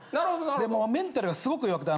でもうメンタルがすごく弱くて。